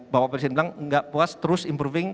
bapak presiden bilang nggak puas terus improving